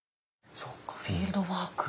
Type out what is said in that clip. そうかフィールドワーク。